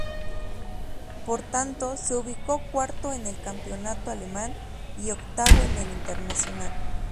Por tanto, se ubicó cuarto en el campeonato alemán y octavo en el internacional.